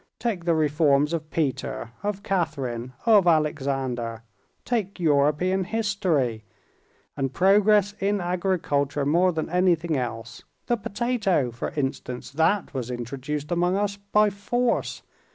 "Take the reforms of Peter, of Catherine, of Alexander. Take European history. And progress in agriculture more than anything else—the potato, for instance, that was introduced among us by force.